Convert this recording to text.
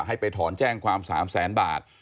ให้ไปถอนแจ้งความ๓แสนบาท